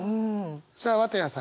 さあ綿矢さん。